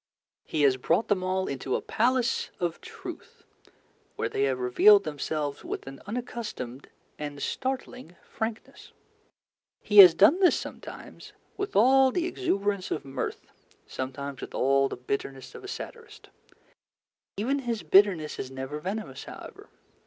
He has brought them all into a Palace of Truth, where they have revealed themselves with an unaccustomed and startling frankness. He has done this sometimes with all the exuberance of mirth, sometimes with all the bitterness of a satirist. Even his bitterness is never venomous, however.